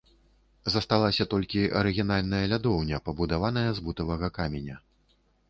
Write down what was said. Засталася толькі арыгінальная лядоўня, пабудаваная з бутавага каменя.